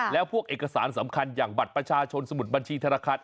แล้วพวกเอกสารสำคัญอย่างบัตรประชาชนสมุดบัญชีธนาคาร